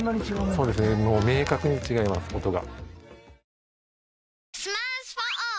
そうですね明確に違います音が。